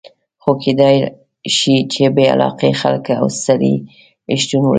خو کېدای شي چې بې علاقې خلک او سړي شتون ولري.